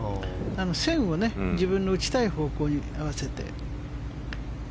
線を自分の打ちたい方向に合わせて。